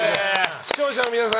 視聴者の皆さん